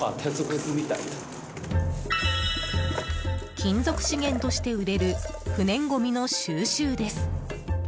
金属資源として売れる不燃ごみの収集です。